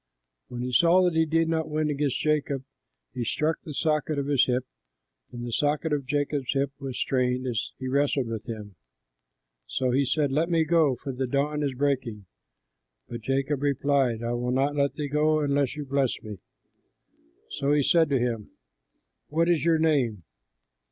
When he saw that he did not win against Jacob, he struck the socket of his hip, and the socket of Jacob's hip was strained, as he wrestled with him. Then he said, "Let me go, for the dawn is breaking." But Jacob replied, "I will not let thee go unless you bless me." So he said to him, "What is your name?"